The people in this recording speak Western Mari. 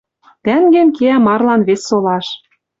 Тӓнгем кеӓ марлан вес солаш.